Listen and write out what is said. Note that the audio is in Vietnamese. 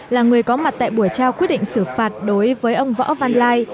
là người có mặt tại buổi trao quyết định xử phạt đối với ông võ văn lai